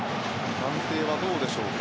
判定はどうでしょうか。